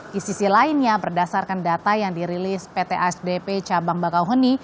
di sisi lainnya berdasarkan data yang dirilis pt asdp cabang bakauheni